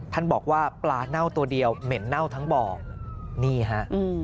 ท่านบอกว่าปลาเน่าตัวเดียวเหม็นเน่าทั้งบ่อนี่ฮะ